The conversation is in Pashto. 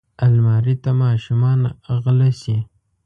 الماري ته ماشومان غله شي